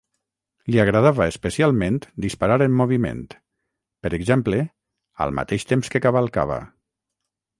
Li agradava especialment disparar en moviment, per exemple, al mateix temps que cavalcava.